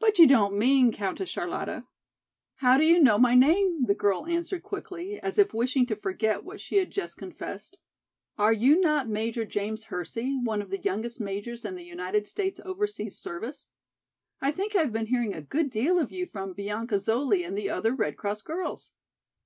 "But you don't mean, Countess Charlotta—" "How do you know my name?" the girl answered quickly, as if wishing to forget what she had just confessed. "Are you not Major James Hersey, one of the youngest majors in the United States overseas service? I think I have been hearing a good deal of you from Bianca Zoli and the other Red Cross girls."